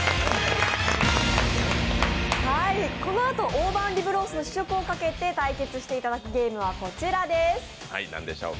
このあと、大判リブロースをかけて対決していただくゲームはこちらです。